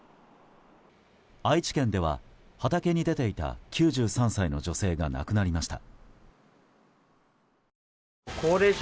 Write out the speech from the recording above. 愛知県では、畑に出ていた９３歳の女性が亡くなりました。